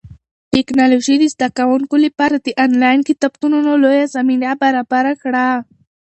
ټیکنالوژي د زده کوونکو لپاره د انلاین کتابتونونو لویه زمینه برابره کړه.